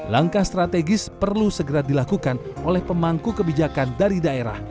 langkah strategis perlu segera dilakukan oleh pemangku kebijakan dari daerah